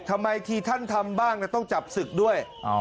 ทำไมทีท่านทำบ้างต้องจับศึกด้วย